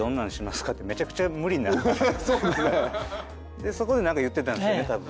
でそこで何か言ってたんすよねたぶん。